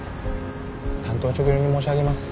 単刀直入に申し上げます。